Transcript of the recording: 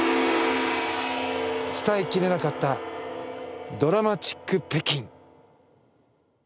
伝えきれなかった銅鑼マチック北京。